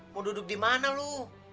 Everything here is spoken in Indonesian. mau duduk di mana loh